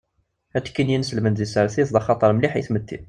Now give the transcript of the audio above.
Atekki n yimselmen deg tsertit d axater mliḥ i tmetti.